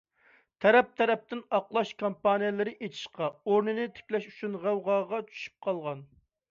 تەرەپ - تەرەپتىن ئاقلاش كامپانىيەلىرى ئېچىشقا، ئورنىنى تىكلەش ئۈچۈن غەۋغاغا چۈشۈپ قالغان.